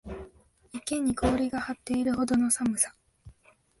池に氷が張っているほどの寒さ